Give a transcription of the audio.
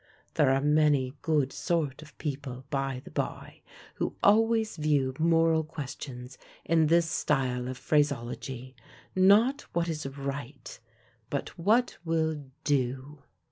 There are many good sort of people, by the by, who always view moral questions in this style of phraseology not what is right, but what will "do."